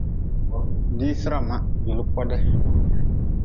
Diisirama juli kodi.